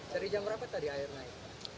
dari jam berapa tadi air naik